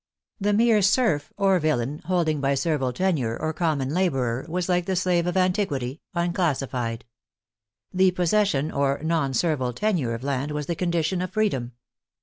The mere serf or villein (holding by servile ten ure), or common laborer, was like the slave of antiquity, unclassified. The possession or (non servile) tenure of land was the condition of freedom.